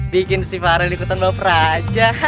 bikin si farah ikutan bapak raja